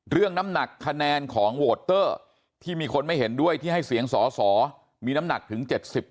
น้ำหนักคะแนนของโหวตเตอร์ที่มีคนไม่เห็นด้วยที่ให้เสียงสอสอมีน้ำหนักถึง๗๐